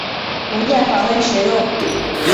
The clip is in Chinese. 文件访问使用。